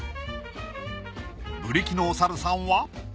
ブリキのお猿さんは。